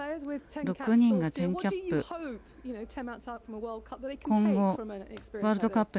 ６人が１０キャップ。